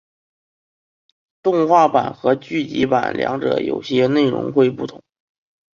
动画版和剧集版两者有些内容会不同。